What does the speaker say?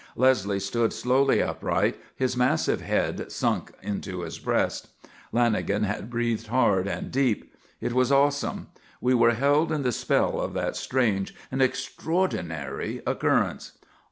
Leslie stood slowly upright, his massive head sunk into his breast. Lanagan breathed hard and deep. It was awesome; we were held in the spell of that strange and extraordinary occurrence.